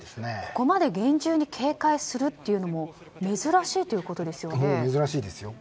ここまで厳重に警戒するというのも珍しいということですよね。